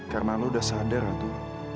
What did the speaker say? karena lo udah sadar ratu